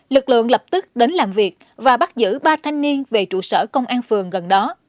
lực lượng lập tức đến làm việc và bắt giữ ba thanh niên về trụ sở công an phường gần đó